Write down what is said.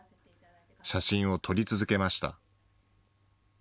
写真を撮り続けました。